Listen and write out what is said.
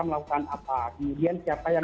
melakukan apa kemudian siapa yang